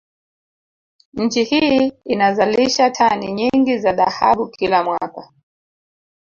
Nchi hii inazalisha tani nyingi za dhahabu kila mwaka